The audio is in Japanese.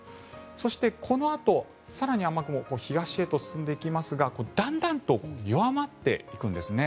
そして、このあと更に雨雲東へと進んでいきますがだんだんと弱まっていくんですね。